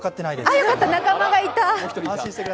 よかった仲間がいた！